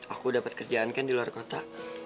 aku dapet kerjaan ken di luar kota